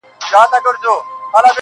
ګړی وروسته به په دام کی وې لوېدلي -